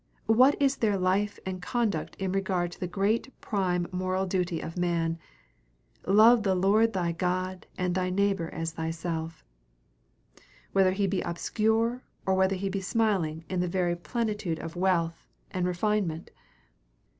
What is their life and conduct in regard to the great prime moral duty of man, "Love the Lord thy God and thy neighbor as thyself," whether he be obscure or whether he be smiling in the very plenitude of wealth and refinement?